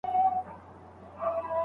هغه په خپله نامه کي ډېر لوی بدلون راوستی.